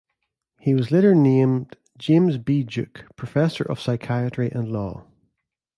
He was later named James B. Duke Professor of Psychiatry and Law.